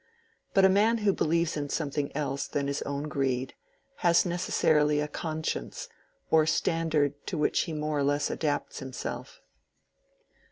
But a man who believes in something else than his own greed, has necessarily a conscience or standard to which he more or less adapts himself.